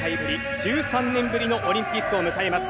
１３年ぶりのオリンピックを迎えます。